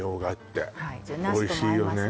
おいしいよね